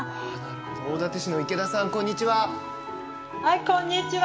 大館市の池田さん、こんにちは。